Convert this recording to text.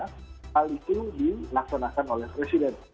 hal itu dilaksanakan oleh presiden